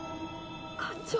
課長。